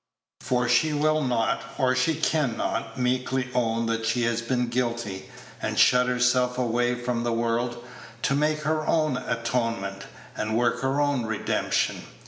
For she will not or she can not meekly own that she has been guilty, and shut herself away from the world, to make her own atonement, and work her own redemption.